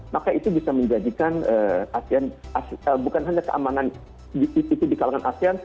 maka itu bisa menjadikan bukan hanya keamanan di kalangan asean